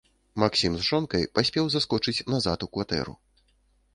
Максім з жонкай паспеў заскочыць назад у кватэру.